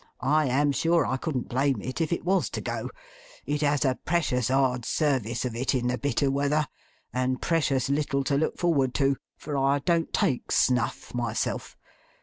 I am sure I couldn't blame it if it was to go. It has a precious hard service of it in the bitter weather, and precious little to look forward to; for I don't take snuff myself.